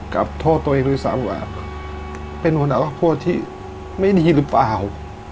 กับโทษตัวเองด้วยซ้ำว่าเป็นหัวหน้าพักโทษที่ไม่ดีหรือเปล่า